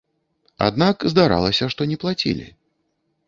Аднак, здаралася, што не плацілі.